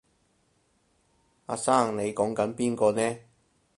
阿生你講緊邊個呢？